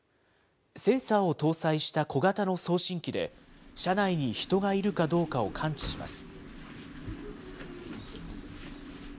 センサーを搭載した小型の送信機で、車内に人がいるかどうかを感知します。